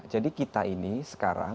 jadi kita ini sekarang